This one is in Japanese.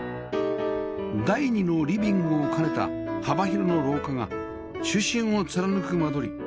第２のリビングを兼ねた幅広の廊下が中心を貫く間取り